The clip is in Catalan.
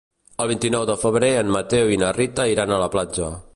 El vint-i-nou de febrer en Mateu i na Rita iran a la platja.